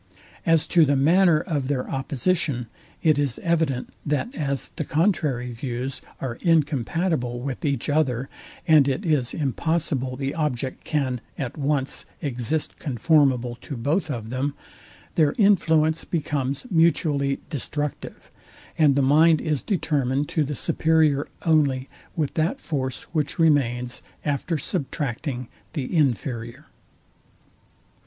As to the manner of their opposition, it is evident, that as the contrary views are incompatible with each other, and it is impossible the object can at once exist conformable to both of them, their influence becomes mutually destructive, and the mind is determined to the superior only with that force, which remains, after subtracting the inferior.